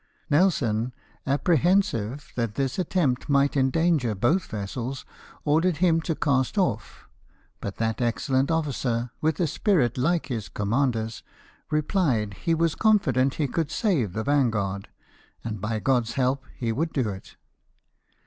Nelson, apprehensive that this attempt might endanger both vessels, ordered him to cast off; but that excellent officer, with a spirit like his commander's, replied he was confident he could save the Vanguard, and by God's help he would do it.